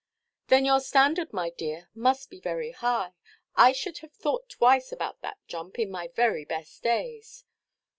"Then your standard, my dear, must be very high. I should have thought twice about that jump, in my very best days!"